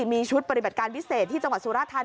นี่มันเป็นไงนี่มันเป็นไง